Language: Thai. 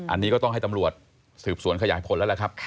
อันนี้ก็ต้องให้ตำรวจสืบสวนขยายผลแล้วล่ะครับ